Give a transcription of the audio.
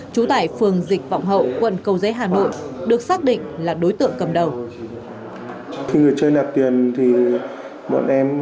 chú tại phường dịch vọng hậu quận cầu dế hà nội được xác định là đối tượng cầm đầu